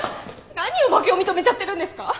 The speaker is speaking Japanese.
何を負けを認めちゃってるんですか！？